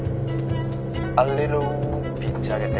アリトルピッチ上げて。